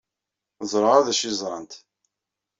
Ur ẓriɣ ara d acu ay ẓrant.